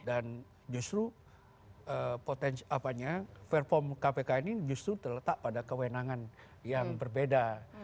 dan justru potensi fair form kpk ini justru terletak pada kewenangan yang berbeda